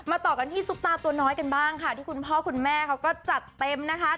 ต่อกันที่ซุปตาตัวน้อยกันบ้างค่ะที่คุณพ่อคุณแม่เขาก็จัดเต็มนะคะ